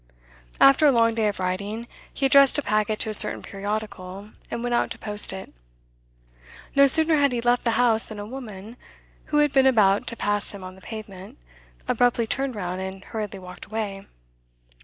After a long day of writing, he addressed a packet to a certain periodical, and went out to post it. No sooner had he left the house than a woman, who had been about to pass him on the pavement, abruptly turned round and hurriedly walked away.